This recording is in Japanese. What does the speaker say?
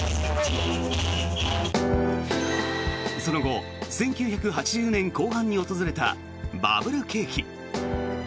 その後、１９８０年後半に訪れたバブル景気。